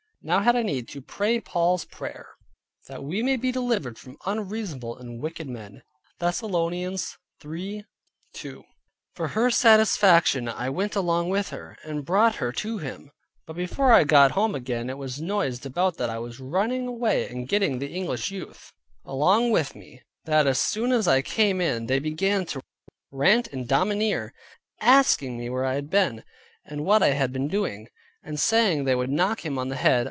Now had I need to pray Paul's Prayer "That we may be delivered from unreasonable and wicked men" (2 Thessalonians 3.2). For her satisfaction I went along with her, and brought her to him; but before I got home again it was noised about that I was running away and getting the English youth, along with me; that as soon as I came in they began to rant and domineer, asking me where I had been, and what I had been doing? and saying they would knock him on the head.